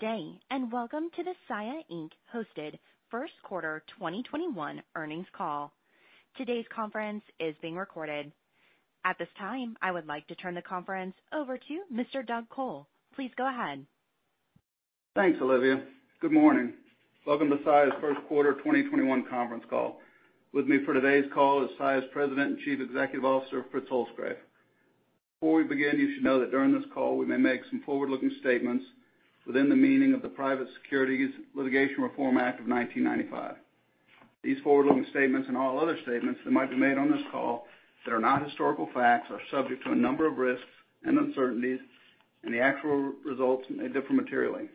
Good day, welcome to the Saia, Inc. hosted first quarter 2021 earnings call. Today's conference is being recorded. At this time, I would like to turn the conference over to Mr. Doug Col. Please go ahead. Thanks, Olivia. Good morning. Welcome to Saia's first quarter 2021 conference call. With me for today's call is Saia's President and Chief Executive Officer, Fritz Holzgrefe. Before we begin, you should know that during this call, we may make some forward-looking statements within the meaning of the Private Securities Litigation Reform Act of 1995. These forward-looking statements, and all other statements that might be made on this call that are not historical facts, are subject to a number of risks and uncertainties, and the actual results may differ materially.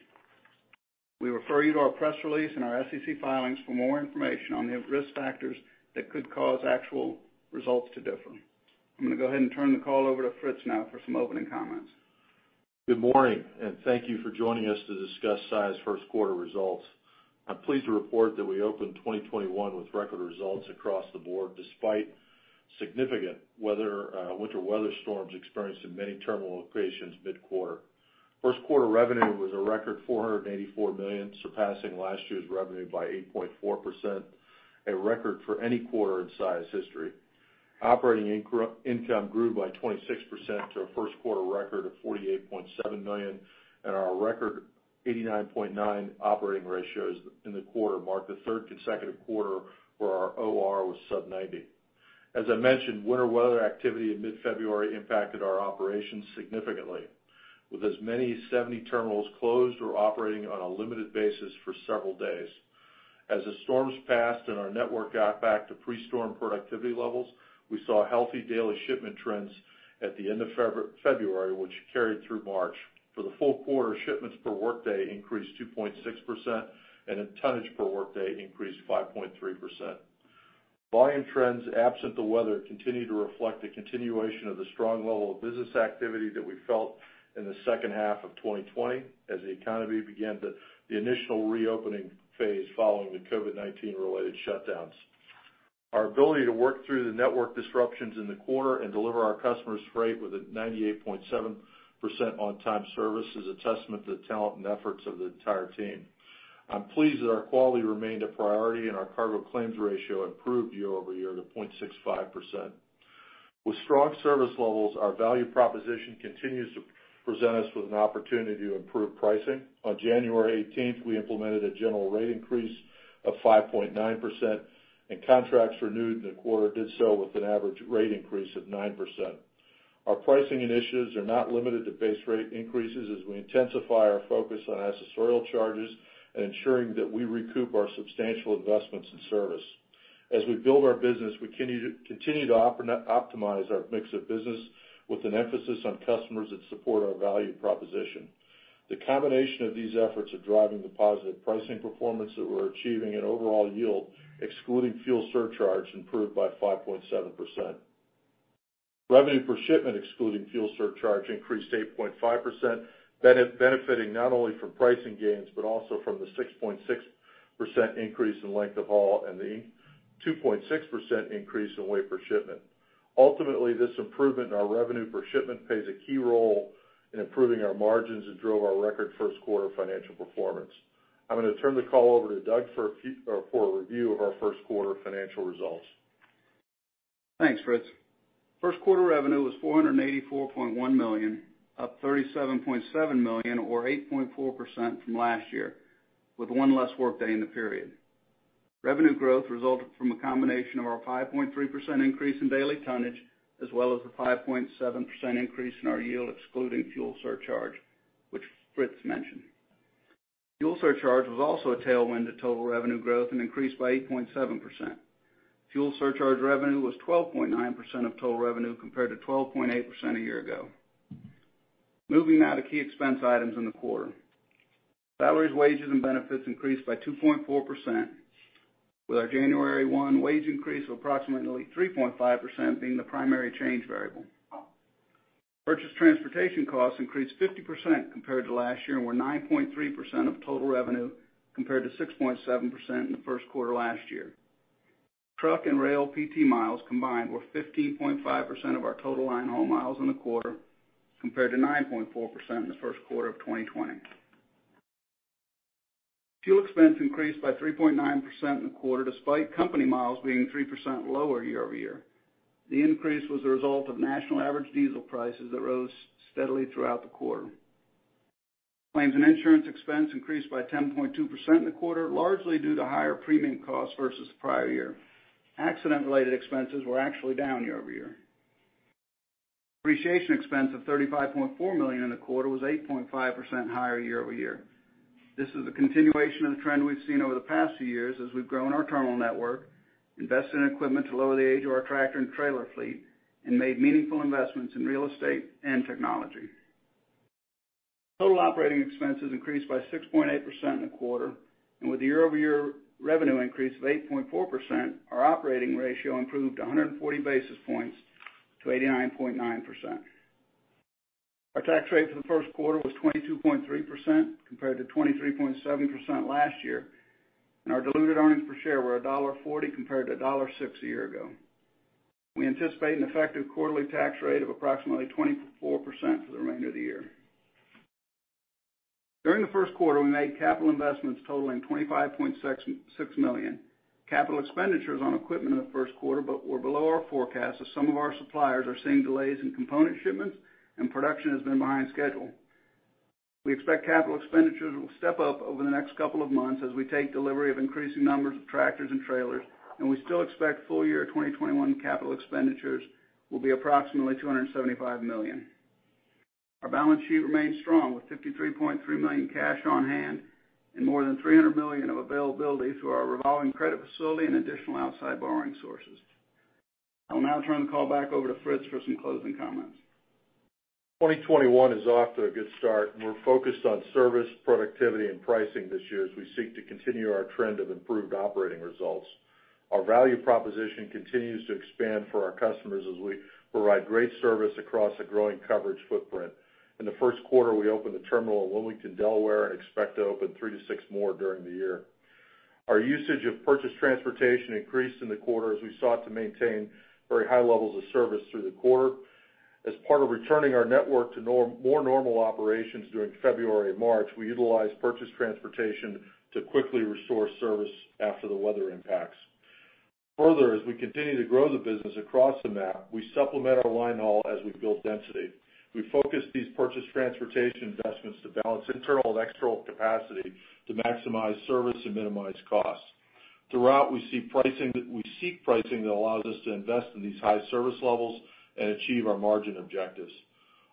We refer you to our press release and our SEC filings for more information on the risk factors that could cause actual results to differ. I'm going to go ahead and turn the call over to Fritz now for some opening comments. Good morning, and thank you for joining us to discuss Saia's first quarter results. I'm pleased to report that we opened 2021 with record results across the board, despite significant winter weather storms experienced in many terminal locations mid-quarter. First quarter revenue was a record $484 million, surpassing last year's revenue by 8.4%, a record for any quarter in Saia's history. Operating income grew by 26% to a first quarter record of $48.7 million, and our record 89.9 operating ratios in the quarter mark the third consecutive quarter where our OR was sub 90. As I mentioned, winter weather activity in mid-February impacted our operations significantly, with as many as 70 terminals closed or operating on a limited basis for several days. As the storms passed and our network got back to pre-storm productivity levels, we saw healthy daily shipment trends at the end of February, which carried through March. For the full quarter, shipments per workday increased 2.6%, and tonnage per workday increased 5.3%. Volume trends absent the weather continued to reflect the continuation of the strong level of business activity that we felt in the second half of 2020 as the economy began the initial reopening phase following the COVID-19 related shutdowns. Our ability to work through the network disruptions in the quarter and deliver our customers freight with a 98.7% on-time service is a testament to the talent and efforts of the entire team. I'm pleased that our quality remained a priority, and our cargo claims ratio improved year-over-year to 0.65%. With strong service levels, our value proposition continues to present us with an opportunity to improve pricing. On January 18th, we implemented a general rate increase of 5.9%, and contracts renewed in the quarter did so with an average rate increase of 9%. Our pricing initiatives are not limited to base rate increases as we intensify our focus on accessorial charges and ensuring that we recoup our substantial investments in service. As we build our business, we continue to optimize our mix of business with an emphasis on customers that support our value proposition. The combination of these efforts are driving the positive pricing performance that we're achieving, and overall yield, excluding fuel surcharge, improved by 5.7%. Revenue per shipment, excluding fuel surcharge, increased 8.5%, benefitting not only from pricing gains, but also from the 6.6% increase in length of haul and the 2.6% increase in weight per shipment. Ultimately, this improvement in our revenue per shipment plays a key role in improving our margins and drove our record first quarter financial performance. I'm going to turn the call over to Doug for a review of our first quarter financial results. Thanks, Fritz. First quarter revenue was $484.1 million, up $37.7 million or 8.4% from last year, with one less workday in the period. Revenue growth resulted from a combination of our 5.3% increase in daily tonnage, as well as the 5.7% increase in our yield excluding fuel surcharge, which Fritz mentioned. Fuel surcharge was also a tailwind to total revenue growth and increased by 8.7%. Fuel surcharge revenue was 12.9% of total revenue, compared to 12.8% a year ago. Moving now to key expense items in the quarter. Salaries, wages, and benefits increased by 2.4%, with our January 1 wage increase of approximately 3.5% being the primary change variable. Purchased transportation costs increased 50% compared to last year and were 9.3% of total revenue, compared to 6.7% in the first quarter last year. Truck and rail PT miles combined were 15.5% of our total line haul miles in the quarter, compared to 9.4% in the first quarter of 2020. Fuel expense increased by 3.9% in the quarter, despite company miles being 3% lower year-over-year. The increase was the result of national average diesel prices that rose steadily throughout the quarter. Claims and insurance expense increased by 10.2% in the quarter, largely due to higher premium costs versus the prior year. Accident related expenses were actually down year-over-year. Depreciation expense of $35.4 million in the quarter was 8.5% higher year-over-year. This is a continuation of the trend we've seen over the past few years as we've grown our terminal network, invested in equipment to lower the age of our tractor and trailer fleet, and made meaningful investments in real estate and technology. Total operating expenses increased by 6.8% in the quarter, and with the year-over-year revenue increase of 8.4%, our operating ratio improved 140 basis points to 89.9%. Our tax rate for the first quarter was 22.3% compared to 23.7% last year, and our diluted earnings per share were $1.40 compared to $1.06 a year ago. We anticipate an effective quarterly tax rate of approximately 24% for the remainder of the year. During the first quarter, we made capital investments totaling $25.6 million. Capital expenditures on equipment in the first quarter were below our forecast, as some of our suppliers are seeing delays in component shipments and production has been behind schedule. We expect capital expenditures will step up over the next couple of months as we take delivery of increasing numbers of tractors and trailers, and we still expect full year 2021 capital expenditures will be approximately $275 million. Our balance sheet remains strong with $53.3 million cash on hand and more than $300 million of availability through our revolving credit facility and additional outside borrowing sources. I will now turn the call back over to Fritz for some closing comments. 2021 is off to a good start, and we're focused on service, productivity, and pricing this year as we seek to continue our trend of improved operating results. Our value proposition continues to expand for our customers as we provide great service across a growing coverage footprint. In the first quarter, we opened a terminal in Wilmington, Delaware, and expect to open three to six more during the year. Our usage of purchased transportation increased in the quarter as we sought to maintain very high levels of service through the quarter. Further, as part of returning our network to more normal operations during February and March, we utilized purchased transportation to quickly restore service after the weather impacts. Further, as we continue to grow the business across the map, we supplement our line haul as we build density. We focus these purchased transportation investments to balance internal and external capacity to maximize service and minimize costs. Throughout, we seek pricing that allows us to invest in these high service levels and achieve our margin objectives.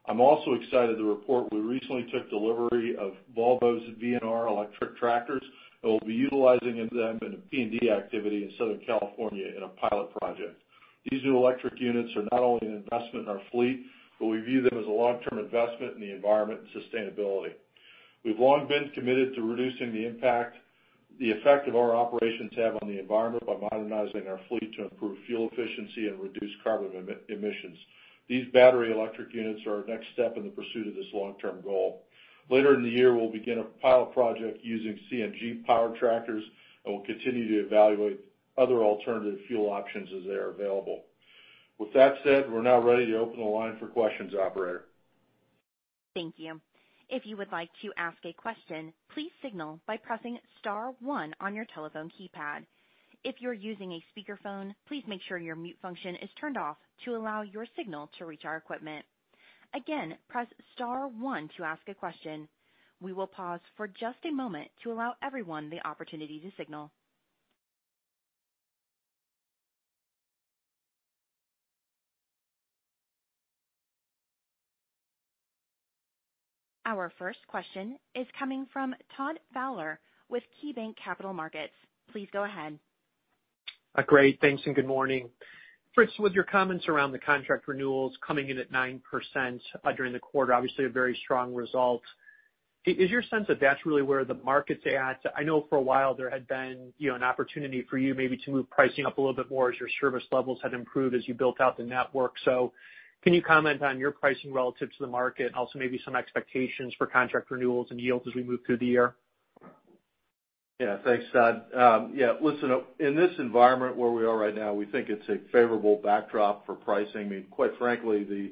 I'm also excited to report we recently took delivery of Volvo's VNR Electric tractors, and we'll be utilizing them in a P&D activity in Southern California in a pilot project. These new electric units are not only an investment in our fleet, but we view them as a long-term investment in the environment and sustainability. We've long been committed to reducing the impact the effect of our operations have on the environment by modernizing our fleet to improve fuel efficiency and reduce carbon emissions. These battery electric units are our next step in the pursuit of this long-term goal. Later in the year, we'll begin a pilot project using CNG powered tractors, and we'll continue to evaluate other alternative fuel options as they are available. With that said, we're now ready to open the line for questions, Operator. Thank you. If you would like to ask a question, please signal by pressing star one on your telephone keypad. If you are using a speakerphone, please make sure your mute function is turned off to allow your signal to reach our equipment. Again, press star one to ask a question. We will pause for just a moment to allow everyone the opportunity to signal. Our first question is coming from Todd Fowler with KeyBanc Capital Markets. Please go ahead. Great. Thanks, and good morning. Fritz, with your comments around the contract renewals coming in at 9% during the quarter, obviously a very strong result. Is your sense that that's really where the market's at? I know for a while there had been an opportunity for you maybe to move pricing up a little bit more as your service levels had improved, as you built out the network. Can you comment on your pricing relative to the market and also maybe some expectations for contract renewals and yields as we move through the year? Yeah. Thanks, Todd. Listen, in this environment where we are right now, we think it's a favorable backdrop for pricing. Quite frankly, the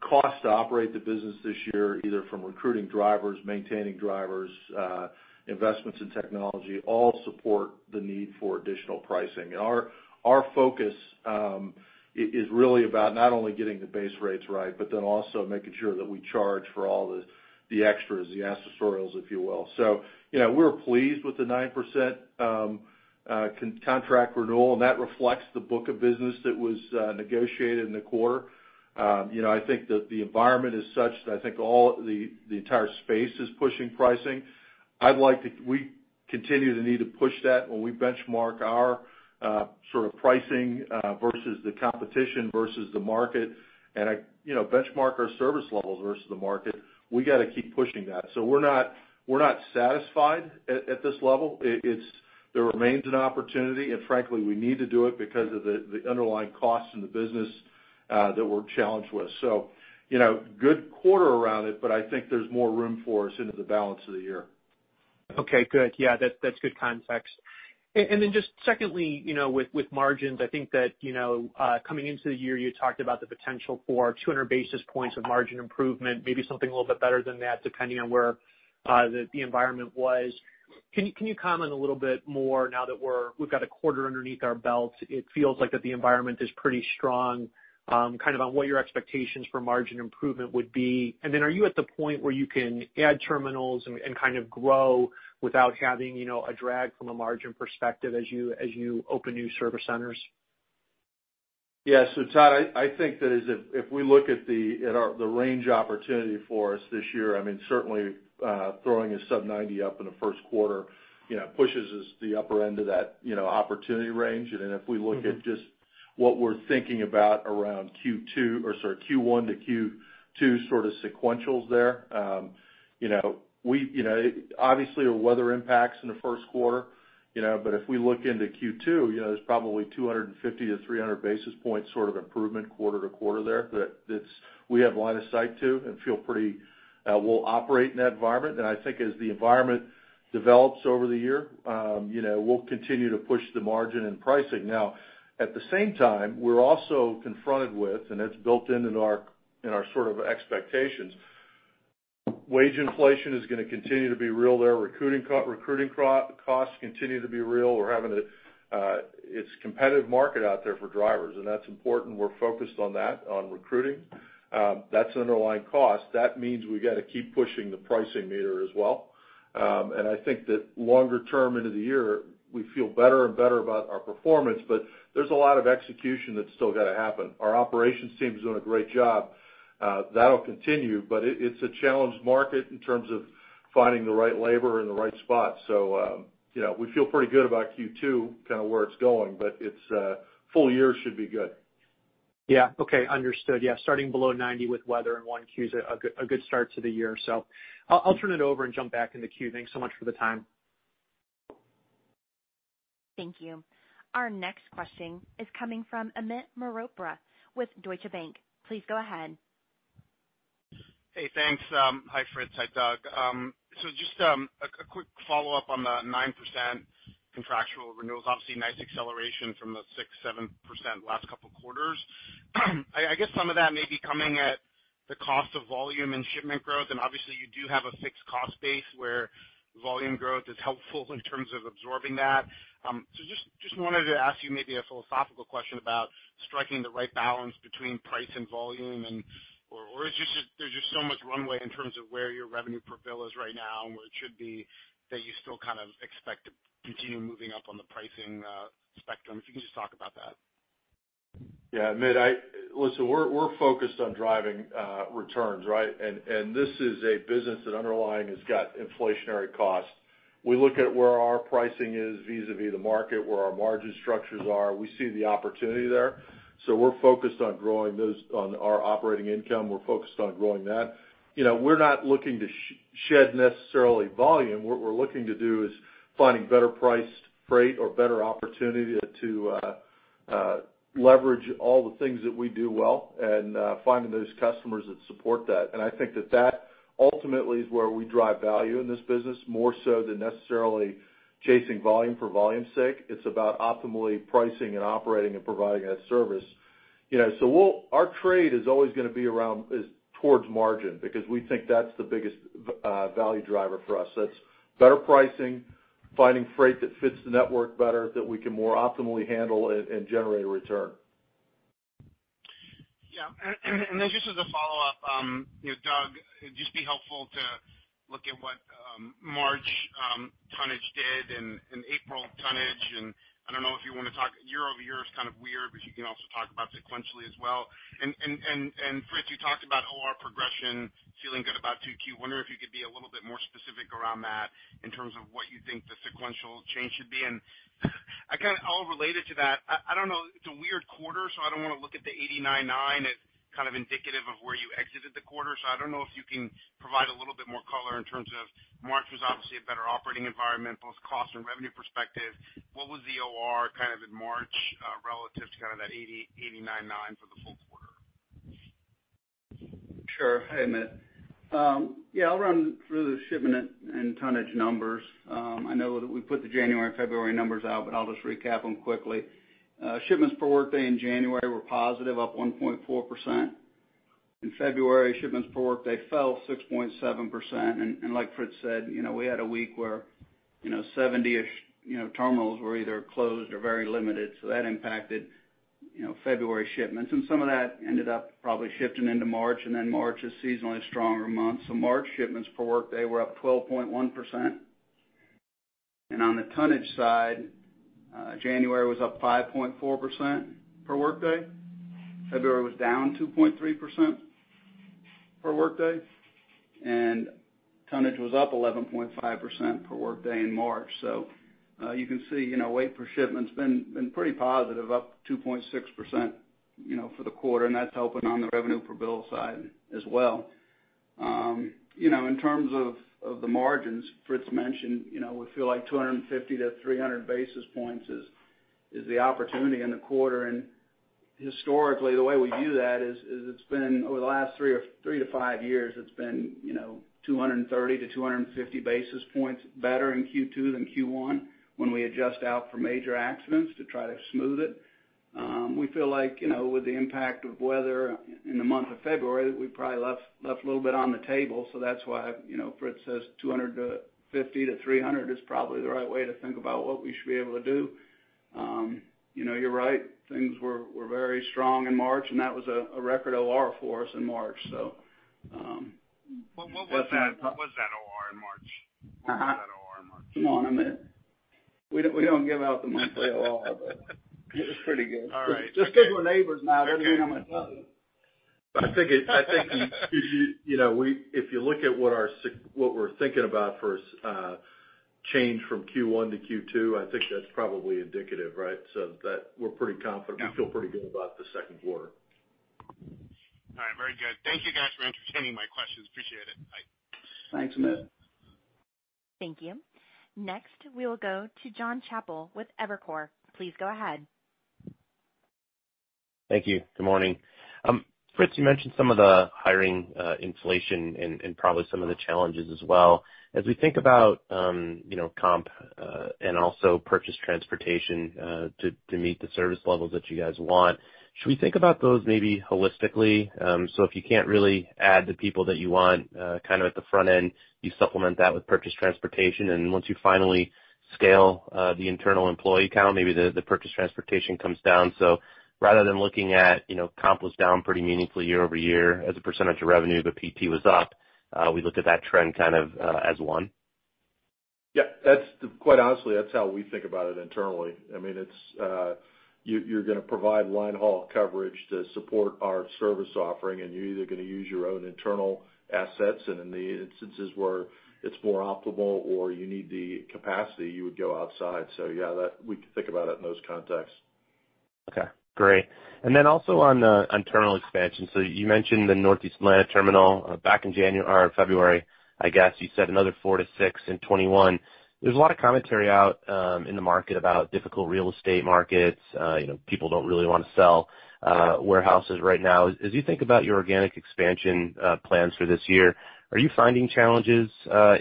cost to operate the business this year, either from recruiting drivers, maintaining drivers, investments in technology, all support the need for additional pricing. Our focus is really about not only getting the base rates right, but then also making sure that we charge for all the extras, the accessorials, if you will. We're pleased with the 9% contract renewal, and that reflects the book of business that was negotiated in the quarter. I think that the environment is such that I think all the entire space is pushing pricing. We continue to need to push that when we benchmark our pricing versus the competition versus the market and benchmark our service levels versus the market. We got to keep pushing that. We're not satisfied at this level. There remains an opportunity, and frankly, we need to do it because of the underlying costs in the business that we're challenged with. Good quarter around it, but I think there's more room for us into the balance of the year. Okay, good. Yeah, that's good context. Then just secondly, with margins, I think that coming into the year, you talked about the potential for 200 basis points of margin improvement, maybe something a little bit better than that, depending on where the environment was. Can you comment a little bit more now that we've got a quarter underneath our belt, it feels like that the environment is pretty strong, on what your expectations for margin improvement would be. Then are you at the point where you can add terminals and grow without having a drag from a margin perspective as you open new service centers? Todd, I think that if we look at the range opportunity for us this year, certainly throwing a sub 90 up in the first quarter pushes us to the upper end of that opportunity range. If we look at just what we're thinking about around Q1 to Q2 sequentials there. Obviously, the weather impacts in the first quarter. If we look into Q2, there's probably 250-300 basis points improvement quarter-to-quarter there that we have line of sight to and feel pretty, we'll operate in that environment. I think as the environment develops over the year, we'll continue to push the margin and pricing. Now, at the same time, we're also confronted with, and it's built into our expectations. Wage inflation is going to continue to be real there. Recruiting costs continue to be real. It's a competitive market out there for drivers, and that's important. We're focused on that, on recruiting. That's an underlying cost. That means we got to keep pushing the pricing meter as well. I think that longer term into the year, we feel better and better about our performance, but there's a lot of execution that's still got to happen. Our operations team is doing a great job. That'll continue, but it's a challenged market in terms of finding the right labor in the right spot. We feel pretty good about Q2, kind of where it's going, but its full year should be good. Yeah. Okay. Understood. Yeah, starting below 90 with weather in 1Q is a good start to the year. I'll turn it over and jump back in the queue. Thanks so much for the time. Thank you. Our next question is coming from Amit Mehrotra with Deutsche Bank. Please go ahead. Hey, thanks. Hi, Fritz. Hi, Doug. Just a quick follow-up on the 9% contractual renewals. Obviously, nice acceleration from the 6%-7% last couple of quarters. I guess some of that may be coming at the cost of volume and shipment growth. Obviously, you do have a fixed cost base where volume growth is helpful in terms of absorbing that. Just wanted to ask you maybe a philosophical question about striking the right balance between price and volume or is it just there's just so much runway in terms of where your revenue per bill is right now and where it should be, that you still kind of expect to continue moving up on the pricing spectrum? If you can just talk about that. Yeah. Amit, listen, we're focused on driving returns, right? This is a business that underlying has got inflationary costs. We look at where our pricing is vis-a-vis the market, where our margin structures are. We see the opportunity there. We're focused on growing our operating income. We're focused on growing that. We're not looking to shed necessarily volume. What we're looking to do is finding better priced freight or better opportunity to leverage all the things that we do well and finding those customers that support that. I think that that ultimately is where we drive value in this business, more so than necessarily chasing volume for volume's sake. It's about optimally pricing and operating and providing that service. Our trade is always going to be towards margin because we think that's the biggest value driver for us. That's better pricing, finding freight that fits the network better that we can more optimally handle and generate a return. Yeah. Just as a follow-up, Doug, it'd just be helpful to look at what March tonnage did and April tonnage, I don't know if you want to talk, year-over-year is kind of weird, but you can also talk about sequentially as well. Fritz, you talked about OR progression, feeling good about 2Q. Wonder if you could be a little bit more specific around that in terms of what you think the sequential change should be. All related to that, I don't know, it's a weird quarter, I don't want to look at the 89.9 as kind of indicative of where you exited the quarter. I don't know if you can provide a little bit more color in terms of March was obviously a better operating environment, both cost and revenue perspective. What was the OR kind of in March, relative to kind of that 89.9% for the full quarter? Sure. Hey, Amit. Yeah, I'll run through the shipment and tonnage numbers. I know that we put the January and February numbers out, I'll just recap them quickly. Shipments for workday in January were positive, up 1.4%. In February, shipments for workday fell 6.7%. Like Fritz said, we had a week where 70-ish terminals were either closed or very limited, that impacted February shipments. Some of that ended up probably shifting into March is seasonally a stronger month. March shipments for workday were up 12.1%. On the tonnage side, January was up 5.4% for workday. February was down 2.3% for workday. Tonnage was up 11.5% for workday in March. You can see weight per shipment has been pretty positive, up 2.6% for the quarter, and that's helping on the revenue per bill side as well. In terms of the margins, Fritz mentioned, we feel like 250-300 basis points is the opportunity in the quarter. Historically, the way we view that is, it's been over the last three to five years, it's been 230-250 basis points better in Q2 than Q1 when we adjust out for major accidents to try to smooth it. We feel like, with the impact of weather in the month of February, that we probably left a little bit on the table. That's why Fritz says 250-300 is probably the right way to think about what we should be able to do. You're right, things were very strong in March, and that was a record OR for us in March. What was that OR in March? What was that OR in March? Come on, Amit. We don't give out the monthly OR, but it was pretty good. All right. Just because we're neighbors now doesn't mean I'm going to tell you. I think if you look at what we're thinking about for change from Q1 to Q2, I think that's probably indicative, right? We're pretty confident. Yeah. We feel pretty good about the second quarter. All right. Very good. Thank you guys for entertaining my questions. Appreciate it. Bye. Thanks, Amit. Thank you. Next, we will go to Jon Chappell with Evercore. Please go ahead. Thank you. Good morning. Fritz, you mentioned some of the hiring inflation and probably some of the challenges as well. As we think about comp, and also purchase transportation to meet the service levels that you guys want, should we think about those maybe holistically? If you can't really add the people that you want at the front end, you supplement that with purchase transportation. Once you finally scale the internal employee count, maybe the purchase transportation comes down. Rather than looking at comp was down pretty meaningfully year-over-year as a percentage of revenue, but PT was up, we look at that trend as one. Yeah. Quite honestly, that's how we think about it internally. You're going to provide line haul coverage to support our service offering, and you're either going to use your own internal assets, and in the instances where it's more optimal or you need the capacity, you would go outside. Yeah, we think about it in those contexts. Okay, great. Also on terminal expansion. You mentioned the Northeast Atlanta terminal back in February, I guess you said another four to six in 2021. There's a lot of commentary out in the market about difficult real estate markets. People don't really want to sell warehouses right now. As you think about your organic expansion plans for this year, are you finding challenges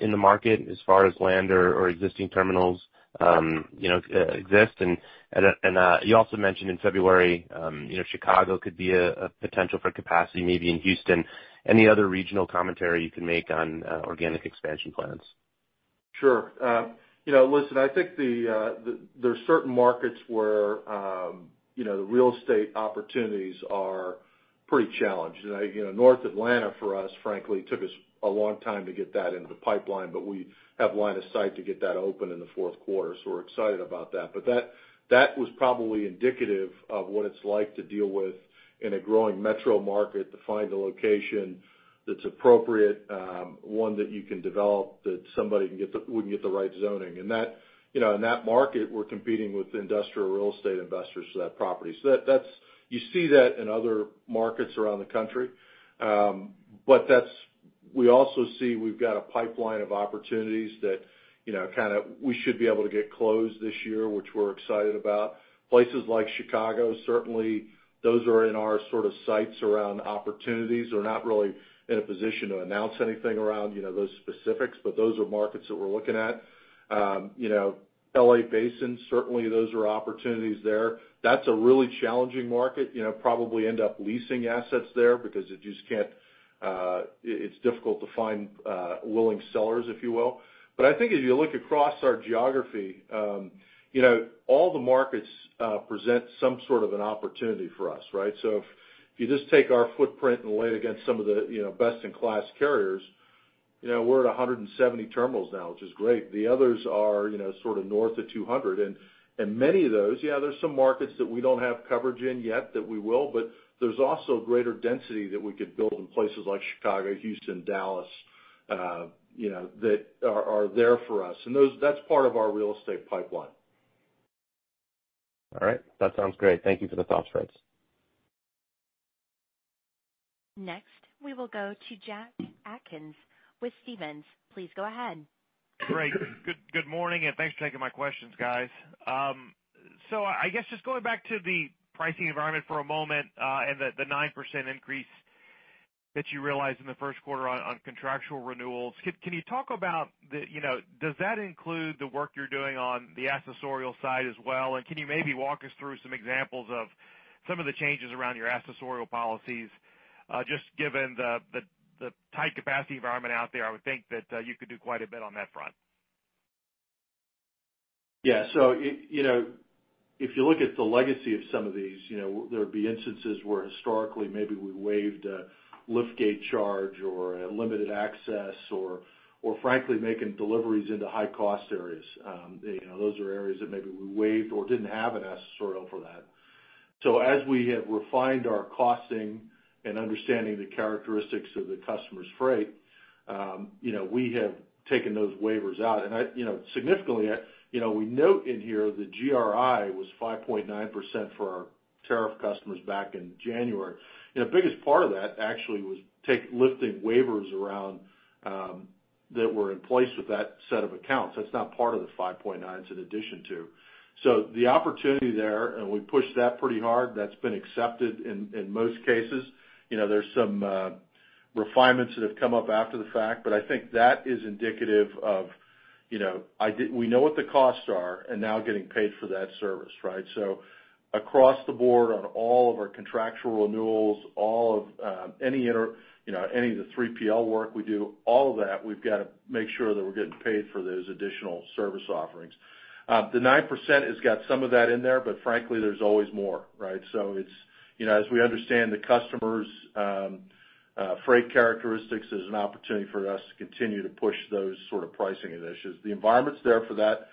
in the market as far as land or existing terminals exist? You also mentioned in February Chicago could be a potential for capacity, maybe in Houston. Any other regional commentary you can make on organic expansion plans? Sure. Listen, I think there are certain markets where the real estate opportunities are pretty challenged. [North] Atlanta for us, frankly, took us a long time to get that into the pipeline, but we have line of sight to get that open in the fourth quarter, so we're excited about that. That was probably indicative of what it's like to deal with in a growing metro market to find a location that's appropriate, one that you can develop, that somebody can get the right zoning. In that market, we're competing with industrial real estate investors for that property. You see that in other markets around the country. We also see we've got a pipeline of opportunities that we should be able to get closed this year, which we're excited about. Places like Chicago, certainly those are in our sort of sights around opportunities. We're not really in a position to announce anything around those specifics, but those are markets that we're looking at. L.A. Basin, certainly those are opportunities there. That's a really challenging market. Probably end up leasing assets there because it's difficult to find willing sellers, if you will. I think as you look across our geography, all the markets present some sort of an opportunity for us, right? If you just take our footprint and lay it against some of the best-in-class carriers, we're at 170 terminals now, which is great. The others are sort of north of 200. Many of those, yeah, there's some markets that we don't have coverage in yet that we will, but there's also greater density that we could build in places like Chicago, Houston, Dallas, that are there for us, and that's part of our real estate pipeline. All right. That sounds great. Thank you for the thoughts, Fritz. Next, we will go to Jack Atkins with Stephens. Please go ahead. Great. Good morning, and thanks for taking my questions, guys. I guess just going back to the pricing environment for a moment, and the 9% increase that you realized in the first quarter on contractual renewals. Does that include the work you're doing on the accessorial side as well? Can you maybe walk us through some examples of some of the changes around your accessorial policies? Just given the tight capacity environment out there, I would think that you could do quite a bit on that front. Yeah. If you look at the legacy of some of these, there would be instances where historically maybe we waived a liftgate charge or a limited access or frankly, making deliveries into high-cost areas. Those are areas that maybe we waived or didn't have an accessorial for that. As we have refined our costing and understanding the characteristics of the customer's freight, we have taken those waivers out. Significantly, we note in here the GRI was 5.9% for our tariff customers back in January. The biggest part of that actually was lifting waivers around that were in place with that set of accounts. That's not part of the 5.9%, it's an addition to. The opportunity there, and we pushed that pretty hard, that's been accepted in most cases. There's some refinements that have come up after the fact, but I think that is indicative of we know what the costs are and now getting paid for that service, right? Across the board on all of our contractual renewals, any of the 3PL work we do, all of that, we've got to make sure that we're getting paid for those additional service offerings. The 9% has got some of that in there, but frankly, there's always more, right? As we understand the customer's freight characteristics, there's an opportunity for us to continue to push those sort of pricing initiatives. The environment's there for that.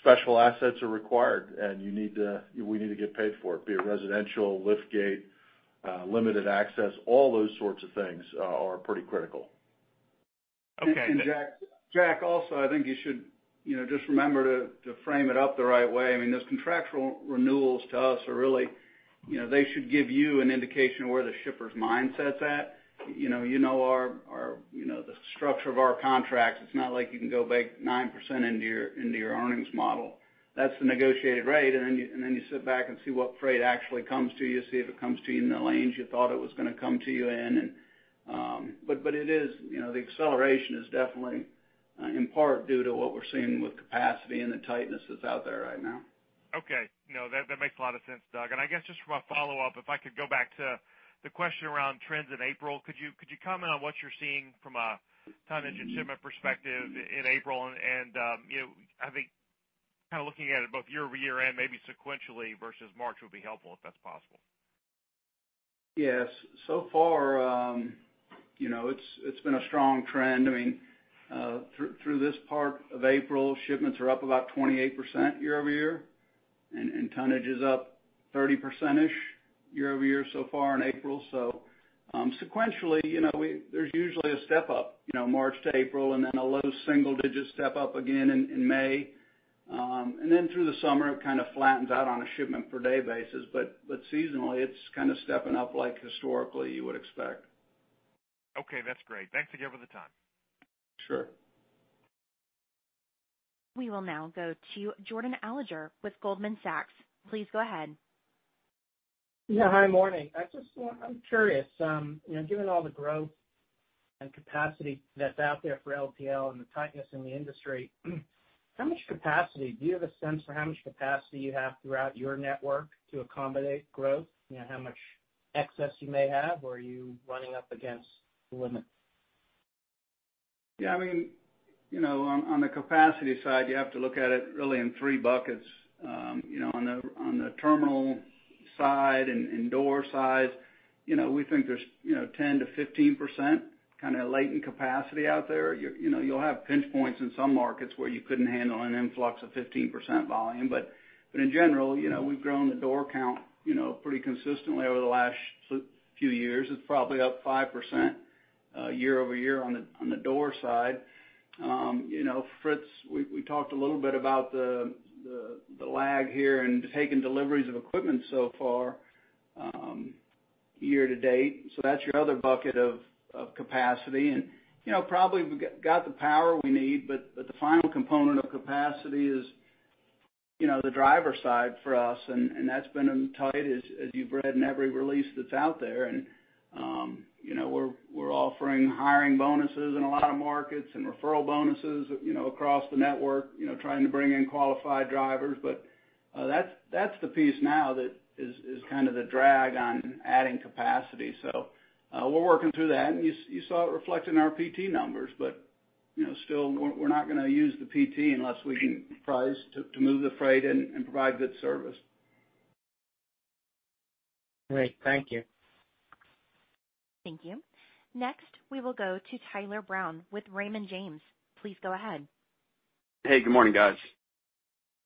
Special assets are required, and we need to get paid for it, be it residential, liftgate, limited access, all those sorts of things are pretty critical. Okay. Jack, also, I think you should just remember to frame it up the right way. Those contractual renewals to us are really, you know, they should give you an indication of where the shipper's mindset's at. You know the structure of our contracts. It's not like you can go bake 9% into your earnings model. That's the negotiated rate, and then you sit back and see what freight actually comes to you, see if it comes to you in the lanes you thought it was going to come to you in. The acceleration is definitely in part due to what we're seeing with capacity and the tightness that's out there right now. Okay. No, that makes a lot of sense, Doug. I guess just from a follow-up, if I could go back to the question around trends in April. Could you comment on what you're seeing from a tonnage and shipment perspective in April and, I think, looking at it both year-over-year and maybe sequentially versus March would be helpful, if that's possible? Yes. So far, it's been a strong trend. Through this part of April, shipments are up about 28% year-over-year, and tonnage is up 30%-ish year-over-year so far in April. Sequentially, there's usually a step up March to April and then a low single-digit step up again in May. Through the summer, it flattens out on a shipment per day basis. Seasonally, it's stepping up like historically you would expect. Okay, that's great. Thanks again for the time. Sure. We will now go to Jordan Alliger with Goldman Sachs. Please go ahead. Yeah. Hi, morning. I'm curious. Given all the growth and capacity that's out there for LTL and the tightness in the industry, do you have a sense for how much capacity you have throughout your network to accommodate growth? How much excess you may have, or are you running up against the limit? Yeah. On the capacity side, you have to look at it really in three buckets. On the terminal side and door side, we think there's 10%-15% latent capacity out there. You'll have pinch points in some markets where you couldn't handle an influx of 15% volume. In general, we've grown the door count pretty consistently over the last few years. It's probably up 5% year-over-year on the door side. Fritz, we talked a little bit about the lag here and taking deliveries of equipment so far year-to-date. That's your other bucket of capacity. Probably we've got the power we need, but the final component of capacity is the driver side for us, and that's been tight, as you've read in every release that's out there. We're offering hiring bonuses in a lot of markets and referral bonuses across the network, trying to bring in qualified drivers. That's the piece now that is the drag on adding capacity. We're working through that, and you saw it reflected in our PT numbers. Still, we're not going to use the PT unless we can price to move the freight and provide good service. Great. Thank you. Thank you. Next, we will go to Tyler Brown with Raymond James. Please go ahead. Hey, good morning, guys.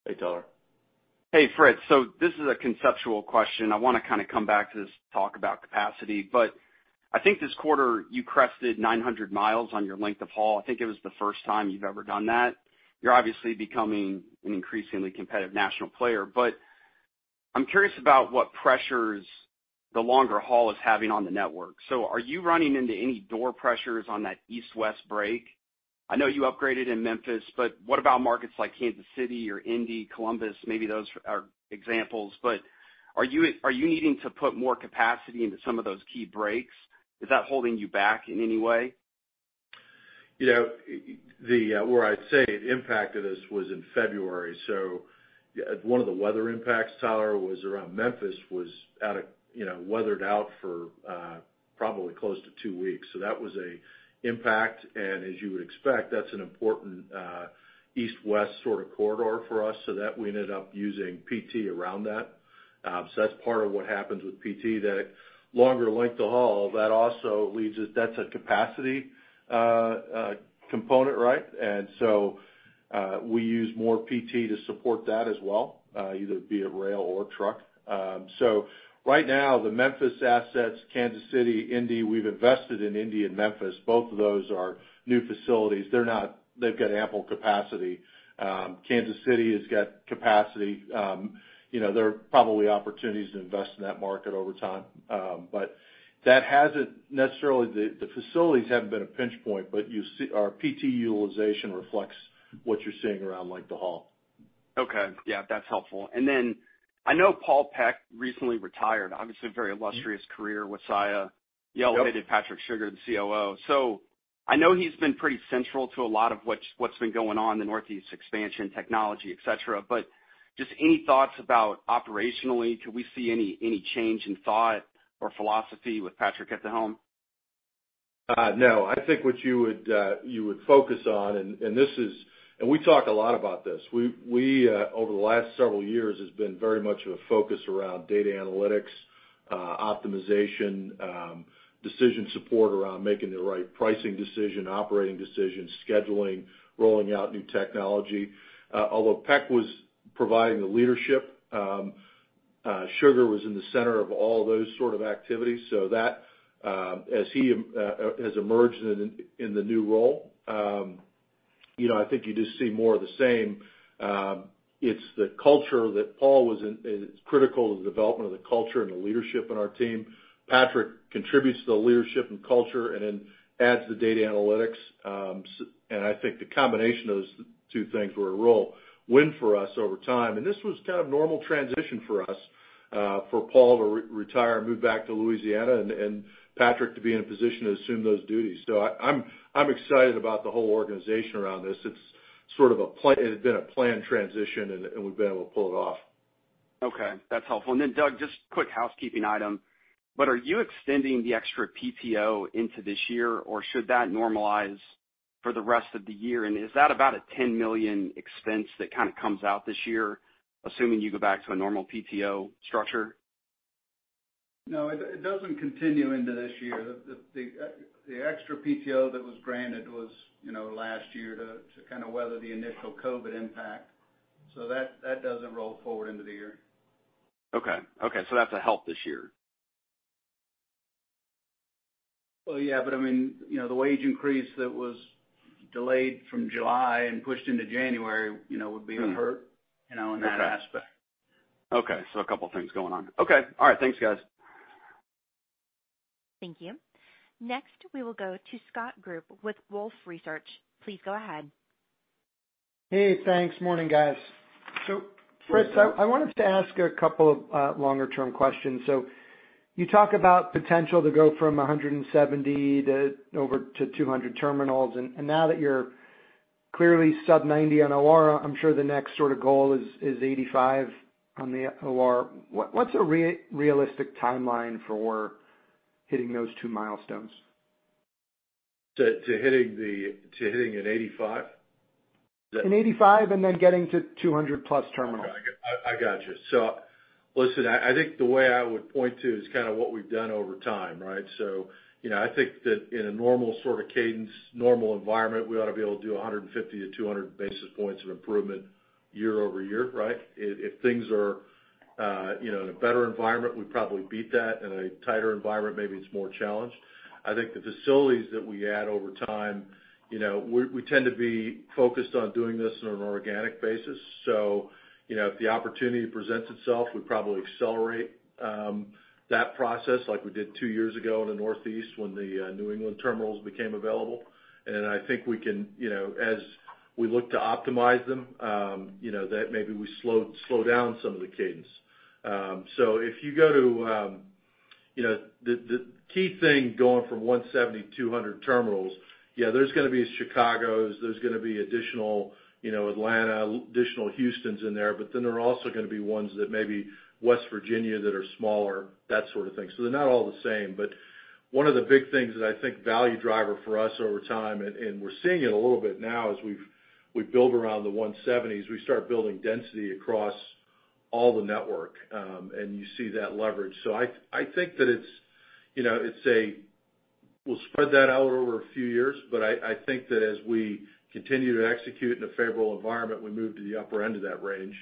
Hey, Tyler. Hey, Fritz. This is a conceptual question. I want to come back to this talk about capacity. I think this quarter you crested 900 mi on your length of haul. I think it was the first time you've ever done that. You're obviously becoming an increasingly competitive national player. I'm curious about what pressures the longer haul is having on the network. Are you running into any door pressures on that east-west break? I know you upgraded in Memphis. What about markets like Kansas City or Indy, Columbus? Maybe those are examples. Are you needing to put more capacity into some of those key breaks? Is that holding you back in any way? Where I'd say it impacted us was in February. One of the weather impacts, Tyler, was around Memphis, was weathered out for probably close to two weeks. That was an impact, and as you would expect, that's an important east-west corridor for us. That we ended up using PT around that. That's part of what happens with PT, that longer length of haul, that's a capacity component, right? We use more PT to support that as well, either via rail or truck. Right now, the Memphis assets, Kansas City, Indy, we've invested in Indy and Memphis. Both of those are new facilities. They've got ample capacity. Kansas City has got capacity. There are probably opportunities to invest in that market over time. The facilities haven't been a pinch point, but our PT utilization reflects what you're seeing around length of haul. Okay. Yeah, that's helpful. I know Paul Peck recently retired. Obviously, a very illustrious career with Saia. Yep. You elevated Patrick Sugar to COO. I know he's been pretty central to a lot of what's been going on, the Northeast expansion, technology, et cetera, but just any thoughts about operationally, could we see any change in thought or philosophy with Patrick at the helm? No. I think what you would focus on, and we talk a lot about this. We, over the last several years, has been very much of a focus around data analytics, optimization, decision support around making the right pricing decision, operating decisions, scheduling, rolling out new technology. Although Peck was providing the leadership, Sugar was in the center of all those sort of activities, as he has emerged in the new role. I think you just see more of the same. It's the culture that Paul was in. It's critical to the development of the culture and the leadership in our team. Patrick contributes to the leadership and culture and then adds the data analytics. I think the combination of those two things were a roll win for us over time. This was kind of normal transition for us, for Paul to retire and move back to Louisiana, and Patrick to be in a position to assume those duties. I'm excited about the whole organization around this. It had been a planned transition, and we've been able to pull it off. Okay. That's helpful. Doug, just quick housekeeping item, but are you extending the extra PTO into this year, or should that normalize for the rest of the year? Is that about a $10 million expense that kind of comes out this year, assuming you go back to a normal PTO structure? No, it doesn't continue into this year. The extra PTO that was granted was last year to kind of weather the initial COVID impact. That doesn't roll forward into the year. Okay. That's a help this year. Well, yeah, I mean, the wage increase that was delayed from July and pushed into January would be a hurt in that aspect. Okay. A couple of things going on. Okay. All right. Thanks, guys. Thank you. Next, we will go to Scott Group with Wolfe Research. Please go ahead. Hey, thanks. Morning, guys. So Fritz, I wanted to ask a couple of longer-term questions. You talk about potential to go from 170 to over to 200 terminals, and now that you're clearly sub 90 on OR, I'm sure the next sort of goal is 85 on the OR. What's a realistic timeline for hitting those two milestones? To hitting an 85? An 85 and then getting to 200+ terminals. I got you. I think the way I would point to is kind of what we've done over time, right? I think that in a normal sort of cadence, normal environment, we ought to be able to do 150-200 basis points of improvement year-over-year, right? If things are in a better environment, we probably beat that. In a tighter environment, maybe it's more challenged. I think the facilities that we add over time, we tend to be focused on doing this on an organic basis. If the opportunity presents itself, we probably accelerate that process like we did two years ago in the Northeast when the New England terminals became available. I think we can, as we look to optimize them, that maybe we slow down some of the cadence. If you go to the key thing going from 170-200 terminals, yeah, there's going to be Chicagos, there's going to be additional Atlanta, additional Houstons in there, but then there are also going to be ones that may be West Virginia that are smaller, that sort of thing. They're not all the same. One of the big things that I think value driver for us over time, and we're seeing it a little bit now as we build around the 170s, we start building density across all the network. You see that leverage. I think that we'll spread that out over a few years, but I think that as we continue to execute in a favorable environment, we move to the upper end of that range.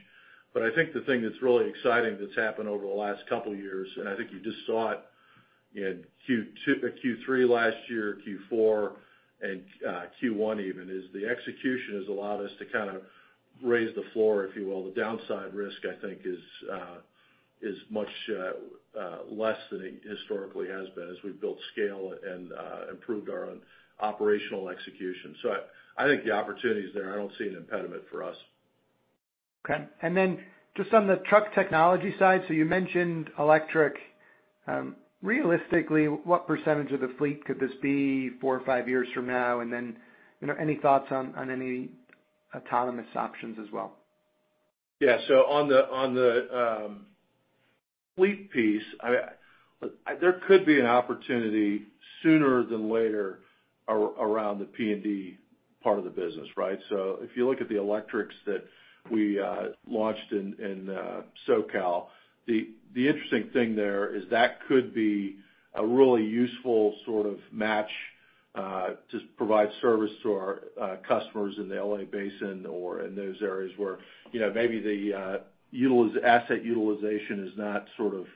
I think the thing that's really exciting that's happened over the last couple of years, and I think you just saw it in Q3 last year, Q4, and Q1 even, is the execution has allowed us to kind of raise the floor, if you will. The downside risk, I think is much less than it historically has been as we've built scale and improved our own operational execution. I think the opportunity's there. I don't see an impediment for us. Okay. Just on the truck technology side, you mentioned electric. Realistically, what percentage of the fleet could this be four or five years from now? Any thoughts on any autonomous options as well? Yeah. On the fleet piece, there could be an opportunity sooner than later around the P&D part of the business, right? If you look at the electrics that we launched in SoCal, the interesting thing there is that could be a really useful sort of match to provide service to our customers in the L.A. Basin or in those areas where maybe the asset utilization is not sort of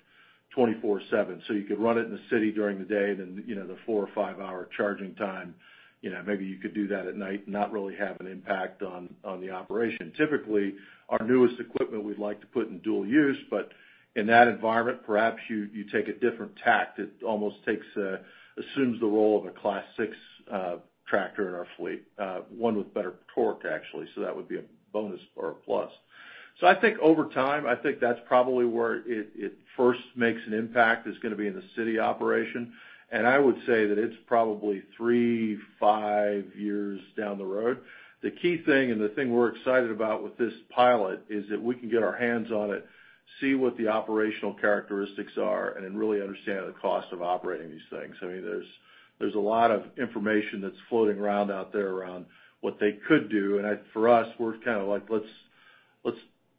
24/7. You could run it in the city during the day, then the four or five-hour charging time. Maybe you could do that at night and not really have an impact on the operation. Typically, our newest equipment we'd like to put in dual use, in that environment, perhaps you take a different [tack]. It almost assumes the role of a Class 6 tractor in our fleet. One with better torque, actually, that would be a bonus or a plus. I think over time, I think that's probably where it first makes an impact is going to be in the city operation. I would say that it's probably three, five years down the road. The key thing and the thing we're excited about with this pilot is that we can get our hands on it, see what the operational characteristics are, and then really understand the cost of operating these things. I mean, there's a lot of information that's floating around out there around what they could do, and for us, we're kind of like, "Let's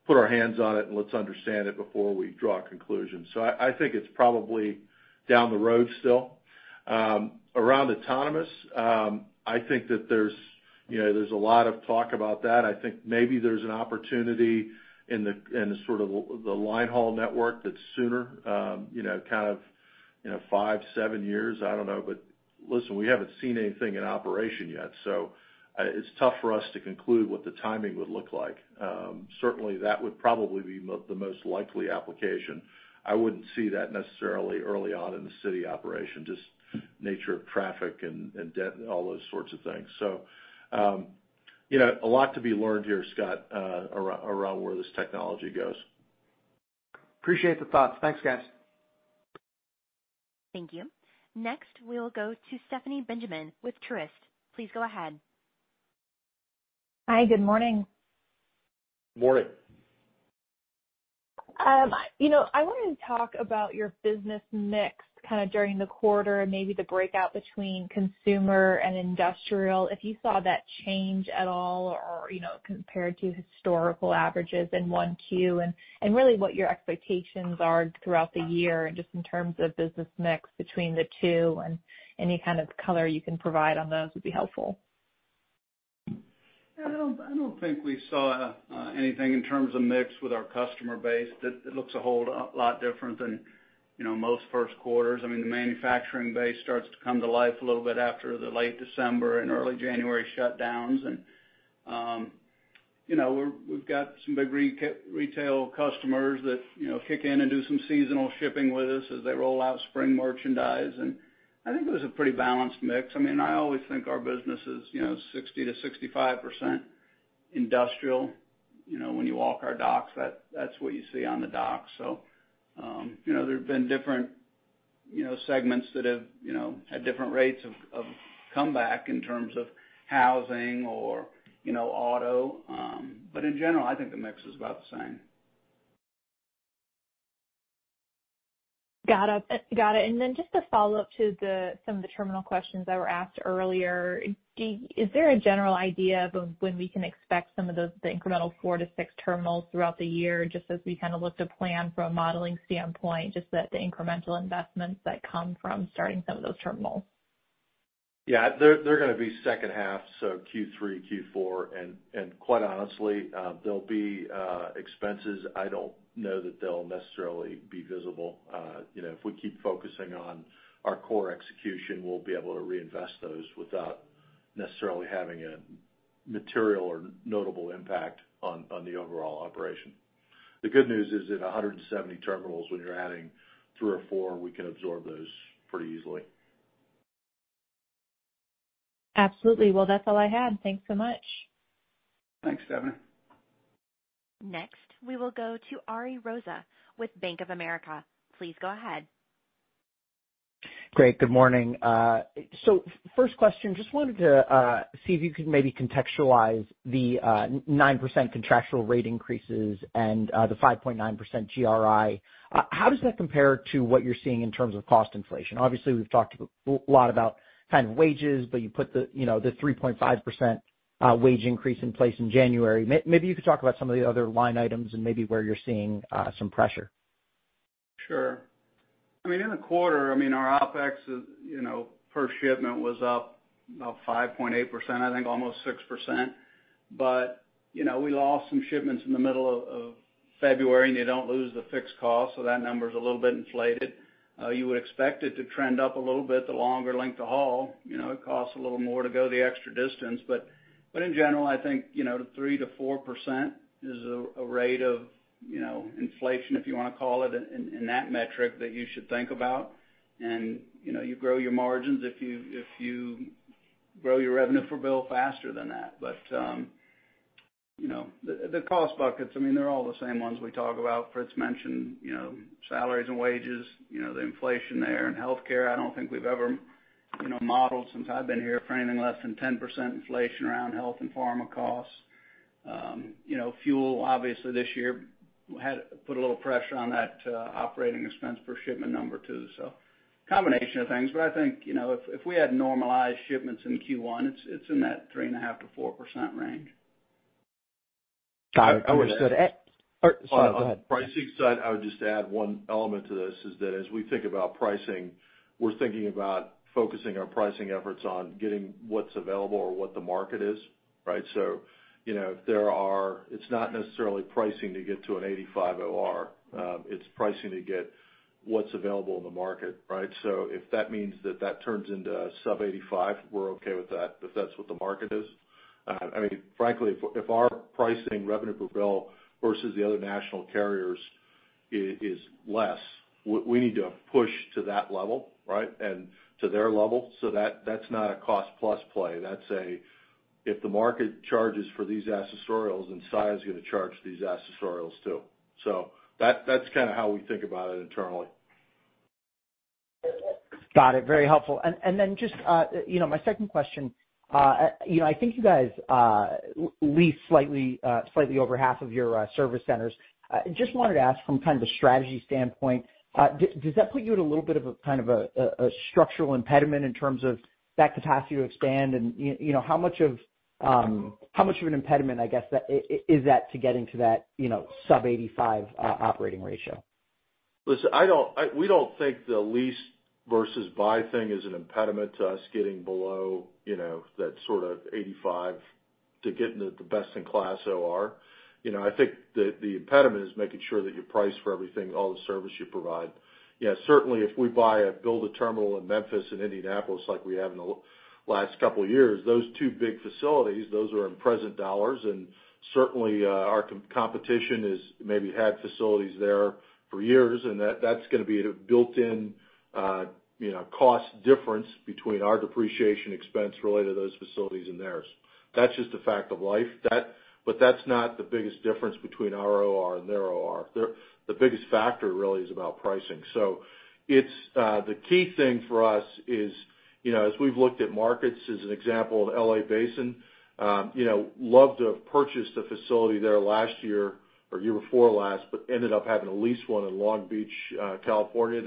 put our hands on it, and let's understand it before we draw conclusions." I think it's probably down the road still. Around autonomous, I think that there's a lot of talk about that. I think maybe there's an opportunity in the sort of the line haul network that's sooner. Kind of five, seven years, I don't know. Listen, we haven't seen anything in operation yet, so it's tough for us to conclude what the timing would look like. Certainly, that would probably be the most likely application. I wouldn't see that necessarily early on in the city operation, just nature of traffic and all those sorts of things. A lot to be learned here, Scott, around where this technology goes. Appreciate the thoughts. Thanks, guys. Thank you. Next, we'll go to Stephanie Benjamin with Truist. Please go ahead. Hi. Good morning. Morning. I wanted to talk about your business mix kind of during the quarter and maybe the breakout between consumer and industrial, if you saw that change at all or compared to historical averages in 1Q, and really what your expectations are throughout the year just in terms of business mix between the two, and any kind of color you can provide on those would be helpful? I don't think we saw anything in terms of mix with our customer base that looks a whole lot different than most first quarters. The manufacturing base starts to come to life a little bit after the late December and early January shutdowns. We've got some big retail customers that kick in and do some seasonal shipping with us as they roll out spring merchandise. I think it was a pretty balanced mix. I always think our business is 60%-65% industrial. When you walk our docks, that's what you see on the dock. There's been different segments that have had different rates of comeback in terms of housing or auto. In general, I think the mix is about the same. Got it. Just a follow-up to some of the terminal questions that were asked earlier. Is there a general idea of when we can expect some of those incremental four to six terminals throughout the year, just as we kind of look to plan from a modeling standpoint, just the incremental investments that come from starting some of those terminals? Yeah. They're going to be second half, so Q3, Q4. Quite honestly, they'll be expenses. I don't know that they'll necessarily be visible. If we keep focusing on our core execution, we'll be able to reinvest those without necessarily having a material or notable impact on the overall operation. The good news is at 170 terminals, when you're adding three or four, we can absorb those pretty easily. Absolutely. Well, that's all I had. Thanks so much. Thanks, Stephanie. Next, we will go to Ari Rosa with Bank of America. Please go ahead. Great. Good morning. First question, just wanted to see if you could maybe contextualize the 9% contractual rate increases and the 5.9% GRI. How does that compare to what you're seeing in terms of cost inflation? Obviously, we've talked a lot about kind of wages, you put the 3.5% wage increase in place in January. Maybe you could talk about some of the other line items and maybe where you're seeing some pressure. Sure. In the quarter, our OpEx per shipment was up about 5.8%, I think almost 6%. We lost some shipments in the middle of February, and you don't lose the fixed cost, so that number is a little bit inflated. You would expect it to trend up a little bit the longer length of haul. It costs a little more to go the extra distance. In general, I think 3%-4% is a rate of inflation, if you want to call it, in that metric that you should think about. You grow your margins if you grow your revenue per bill faster than that. The cost buckets, they're all the same ones we talk about. Fritz mentioned salaries and wages, the inflation there, and healthcare. I don't think we've ever modeled since I've been here for anything less than 10% inflation around health and pharma costs. Fuel, obviously this year, put a little pressure on that operating expense per shipment number, too. Combination of things, but I think if we had normalized shipments in Q1, it's in that 3.5%-4% range. Got it. Understood. Sorry, go ahead. On the pricing side, I would just add one element to this, is that as we think about pricing, we're thinking about focusing our pricing efforts on getting what's available or what the market is, right? It's not necessarily pricing to get to an 85 OR. It's pricing to get what's available in the market, right? If that means that that turns into a sub 85, we're okay with that, if that's what the market is. Frankly, if our pricing revenue per bill versus the other national carriers is less, we need to push to that level, right? To their level. That's not a cost-plus play. That's a if the market charges for these accessorials, then Saia is going to charge these accessorials, too. That's kind of how we think about it internally. Got it. Very helpful. Then just my second question. I think you guys lease slightly over half of your service centers. Just wanted to ask from kind of a strategy standpoint, does that put you at a little bit of a structural impediment in terms of that capacity to expand? How much of an impediment, I guess, is that to getting to that sub 85 operating ratio? Listen, we don't think the lease versus buy thing is an impediment to us getting below that sort of 85, to getting to the best in class OR. I think the impediment is making sure that you price for everything, all the service you provide. Certainly, if we build a terminal in Memphis and Indianapolis like we have in the last couple of years, those two big facilities, those are in present dollars, and certainly, our competition has maybe had facilities there for years, and that's going to be the built-in cost difference between our depreciation expense related to those facilities and theirs. That's just a fact of life. That's not the biggest difference between our OR and their OR. The biggest factor really is about pricing. The key thing for us is, as we've looked at markets as an example of L.A. Basin, love to have purchased a facility there last year or year before last, but ended up having to lease one in Long Beach, California.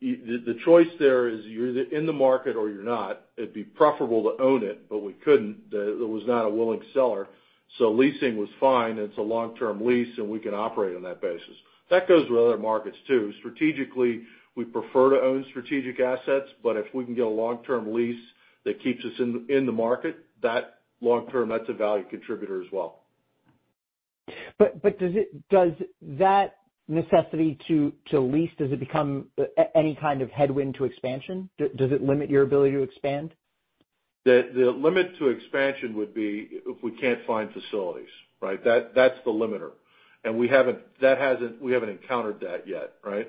The choice there is you're either in the market or you're not. It'd be preferable to own it, but we couldn't. There was not a willing seller, so leasing was fine. It's a long-term lease, and we can operate on that basis. That goes with other markets, too. Strategically, we prefer to own strategic assets, but if we can get a long-term lease that keeps us in the market, that long term, that's a value contributor as well. Does that necessity to lease, does it become any kind of headwind to expansion? Does it limit your ability to expand? The limit to expansion would be if we can't find facilities, right? That's the limiter. We haven't encountered that yet, right?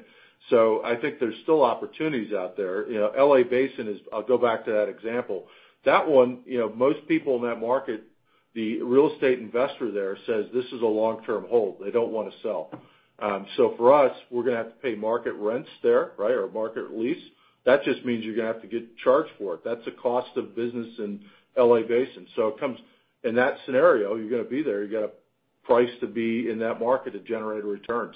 I think there's still opportunities out there. L.A. Basin is, I'll go back to that example. That one, most people in that market, the real estate investor there says this is a long-term hold. They don't want to sell. For us, we're going to have to pay market rents there, right? Market lease. That just means you're going to have to get charged for it. That's a cost of business in L.A. Basin. In that scenario, you're going to be there. You got to price to be in that market to generate a return.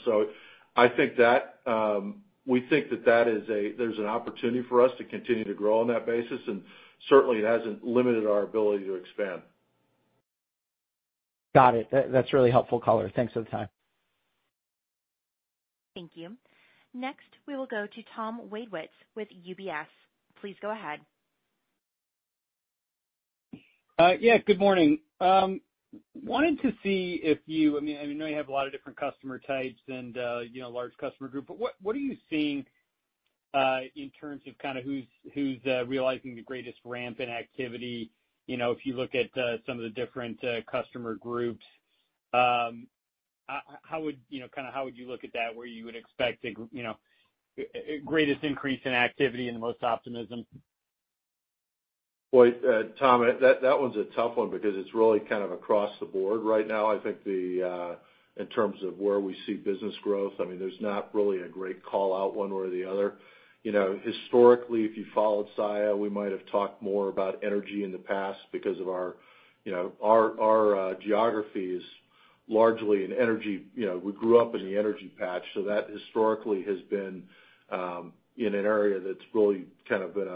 We think that there's an opportunity for us to continue to grow on that basis, and certainly, it hasn't limited our ability to expand. Got it. That's really helpful color. Thanks for the time. Thank you. Next, we will go to Tom Wadewitz with UBS. Please go ahead. Yeah, good morning. I know you have a lot of different customer types and a large customer group, what are you seeing in terms of who's realizing the greatest ramp in activity? If you look at some of the different customer groups, how would you look at that, where you would expect the greatest increase in activity and the most optimism? Boy, Tom, that one's a tough one because it's really kind of across the board right now. I think in terms of where we see business growth, there's not really a great call-out one way or the other. Historically, if you followed Saia, we might have talked more about energy in the past because of our geographies, largely in energy. We grew up in the energy patch, so that historically has been in an area that's really kind of been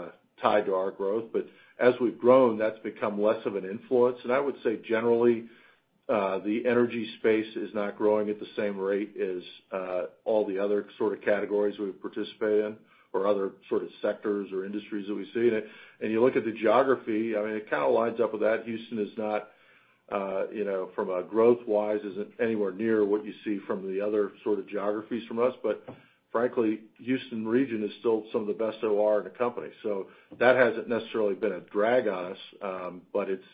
tied to our growth. But as we've grown, that's become less of an influence. And I would say generally, the energy space is not growing at the same rate as all the other sort of categories we participate in or other sort of sectors or industries that we see. And you look at the geography, it kind of lines up with that. Houston is not, from a growth-wise, isn't anywhere near what you see from the other sort of geographies from us. Frankly, Houston region is still some of the best OR in the company. That hasn't necessarily been a drag on us. It's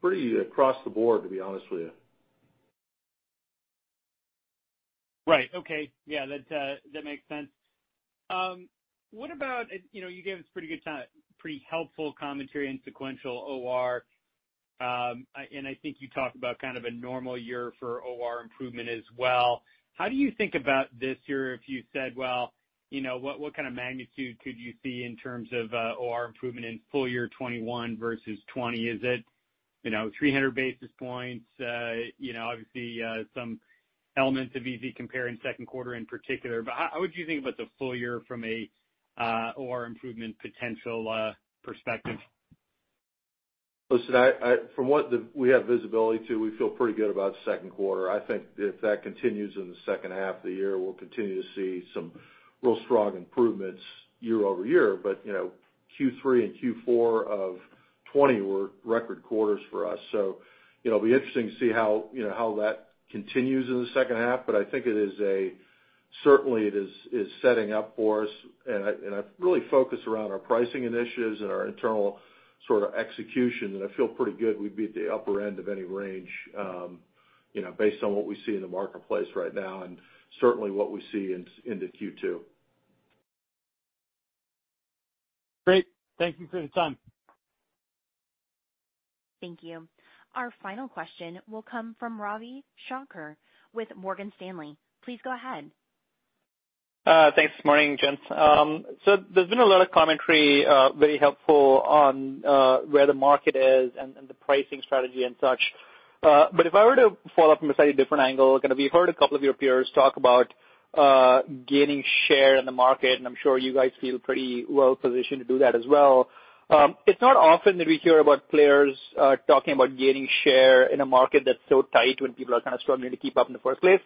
pretty across the board, to be honest with you. Right. Okay. Yeah, that makes sense. You gave us pretty helpful commentary in sequential OR. I think you talked about kind of a normal year for OR improvement as well. How do you think about this year if you said, well, what kind of magnitude could you see in terms of OR improvement in full year 2021 versus 2020? Is it 300 basis points? Obviously, some elements of easy compare in second quarter in particular, but how would you think about the full year from a OR improvement potential perspective? Listen, from what we have visibility to, we feel pretty good about second quarter. I think if that continues in the second half of the year, we'll continue to see some real strong improvements year-over-year. Q3 and Q4 of 2020 were record quarters for us. It'll be interesting to see how that continues in the second half. I think certainly it is setting up for us, and I really focus around our pricing initiatives and our internal sort of execution, and I feel pretty good we'd be at the upper end of any range based on what we see in the marketplace right now and certainly what we see into Q2. Great. Thank you for your time. Thank you. Our final question will come from Ravi Shanker with Morgan Stanley. Please go ahead. Thanks. Morning, gents. There's been a lot of commentary, very helpful on where the market is and the pricing strategy and such. If I were to follow up from a slightly different angle, kind of, we heard a couple of your peers talk about gaining share in the market, and I'm sure you guys feel pretty well positioned to do that as well. It's not often that we hear about players talking about gaining share in a market that's so tight when people are kind of struggling to keep up in the first place.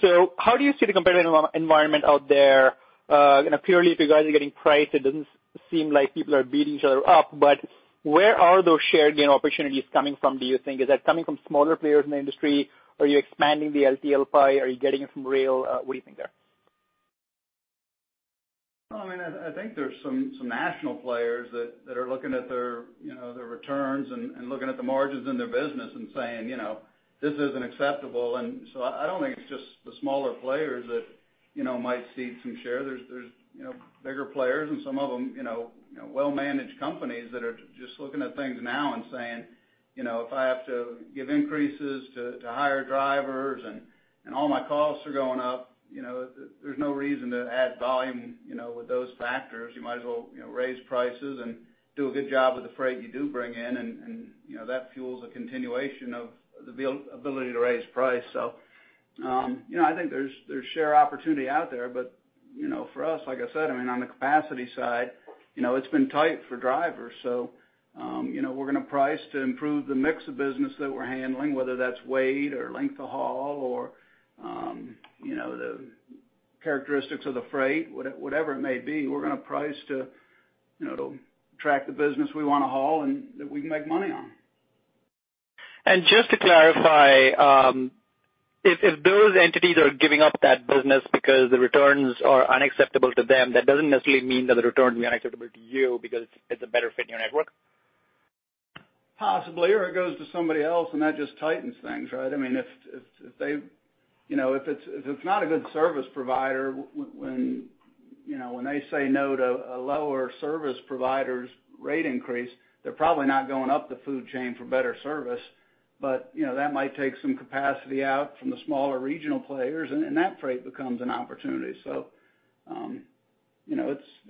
How do you see the competitive environment out there? Purely if you guys are getting priced, it doesn't seem like people are beating each other up, but where are those shared gain opportunities coming from, do you think? Is that coming from smaller players in the industry? Are you expanding the LTL pie? Are you getting it from rail? What do you think there? I think there's some national players that are looking at their returns and looking at the margins in their business and saying, "This isn't acceptable." I don't think it's just the smaller players that might cede some share. There's bigger players and some of them well-managed companies that are just looking at things now and saying, "If I have to give increases to hire drivers and all my costs are going up, there's no reason to add volume with those factors. You might as well raise prices and do a good job with the freight you do bring in," and that fuels a continuation of the ability to raise price. I think there's share opportunity out there. For us, like I said, on the capacity side, it's been tight for drivers. We're going to price to improve the mix of business that we're handling, whether that's weight or length of haul or the characteristics of the freight, whatever it may be, we're going to price to attract the business we want to haul and that we can make money on. Just to clarify, if those entities are giving up that business because the returns are unacceptable to them, that doesn't necessarily mean that the returns are unacceptable to you because it's a better fit in your network? Possibly, or it goes to somebody else and that just tightens things, right? If it's not a good service provider, when they say no to a lower service provider's rate increase, they're probably not going up the food chain for better service. That might take some capacity out from the smaller regional players, and that freight becomes an opportunity.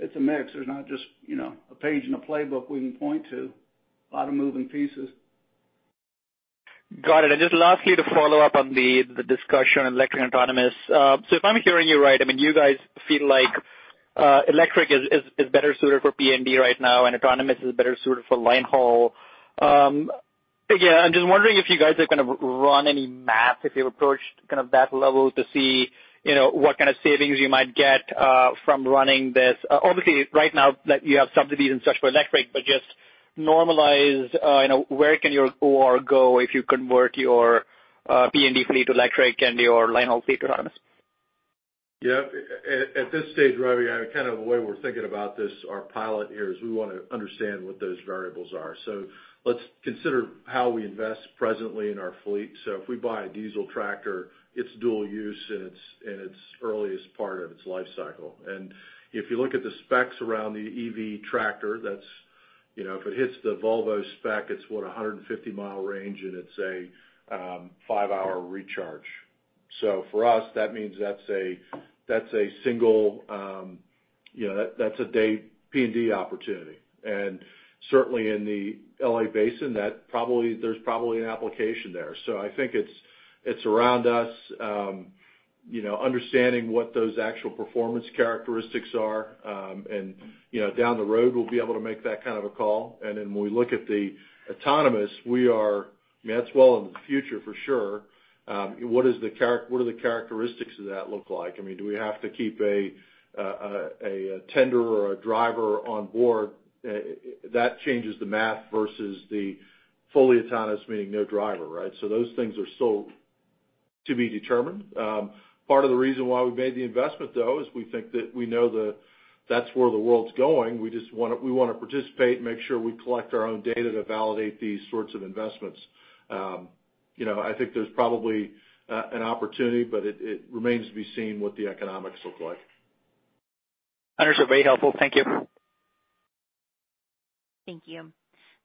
It's a mix. There's not just a page in a playbook we can point to. A lot of moving pieces. Got it. And just lastly, to follow up on the discussion on electric autonomous. If I'm hearing you right, you guys feel like electric is better suited for P&D right now, and autonomous is better suited for line haul. I'm just wondering if you guys have run any math, if you've approached that level to see what kind of savings you might get from running this. Right now, you have subsidies and such for electric, but just normalize where can your OR go if you convert your P&D fleet to electric and your line haul fleet to autonomous. Yeah. At this stage, Ravi, the way we're thinking about this, our pilot here, is we want to understand what those variables are. Let's consider how we invest presently in our fleet. If we buy a diesel tractor, it's dual use in its earliest part of its life cycle. If you look at the specs around the EV tractor, if it hits the Volvo spec, it's what? 150-mi range, and it's a five-hour recharge. For us, that means that's a day P&D opportunity. Certainly in the L.A. Basin, there's probably an application there. I think it's around us understanding what those actual performance characteristics are. Down the road, we'll be able to make that kind of a call. When we look at the autonomous, that's well in the future for sure. What do the characteristics of that look like? Do we have to keep a tenderer or a driver on board? That changes the math versus the fully autonomous, meaning no driver, right? Those things are still to be determined. Part of the reason why we made the investment, though, is we think that we know that's where the world's going. We want to participate and make sure we collect our own data to validate these sorts of investments. I think there's probably an opportunity, but it remains to be seen what the economics look like. Understood. Very helpful. Thank you. Thank you.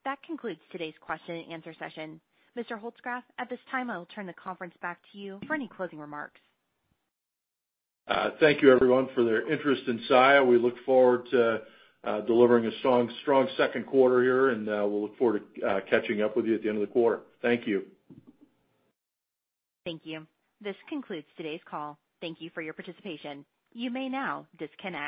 That concludes today's question and answer session. Mr. Holzgrefe, at this time, I will turn the conference back to you for any closing remarks. Thank you everyone for their interest in Saia. We look forward to delivering a strong second quarter here, and we'll look forward to catching up with you at the end of the quarter. Thank you. Thank you. This concludes today's call. Thank you for your participation. You may now disconnect.